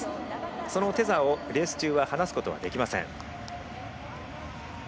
そのテザーをレース中は離すことはできません。